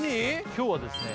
今日はですね